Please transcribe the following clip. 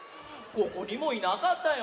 ここにもいなかったよ。